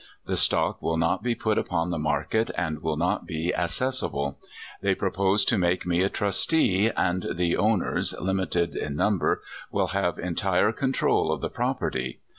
The stock will not be put upon the market, and will not be assessable. They propose to make me a trustee, and the own ers, limited in number, will have entire control of the property.